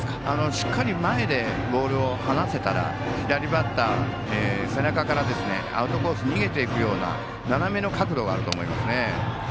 しっかり前でボールを放せたら左バッター背中からアウトコースに逃げていくような斜めの角度があると思いますね。